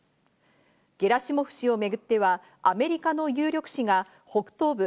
ゲラシモフ氏をめぐってはアメリカの有力紙が北東部